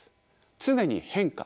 常に変化